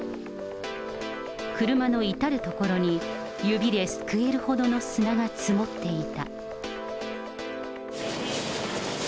車の至る所に、指ですくえるほどの砂が積もっていた。